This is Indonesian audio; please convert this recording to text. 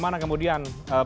perilaku perilaku yang terjadi